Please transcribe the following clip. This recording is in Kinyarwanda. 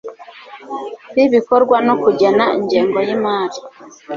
y ibikorwa no kugena ingengo y imari